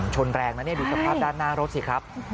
ชนแรงนะเนี่ยดูสภาพด้านหน้ารถสิครับ